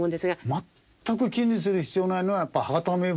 全く金にする必要ないのはやっぱり博多名物